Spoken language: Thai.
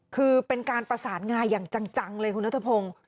คือเป็นการประสานงาอย่างจังเลยคุณนัทพงศ์